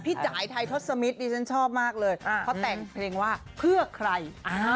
จ่ายไทยทศมิตรดิฉันชอบมากเลยเขาแต่งเพลงว่าเพื่อใคร